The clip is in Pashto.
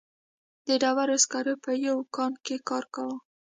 د ډبرو سکرو په یوه کان کې کار کاوه.